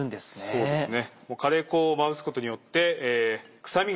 そうですね